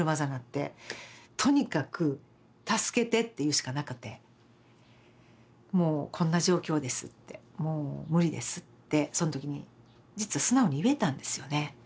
とにかく助けてって言うしかなかってもうこんな状況ですってもう無理ですってそん時に実は素直に言えたんですよね。